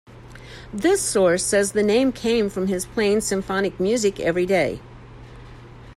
This source says the name came from his playing symphonic music every day.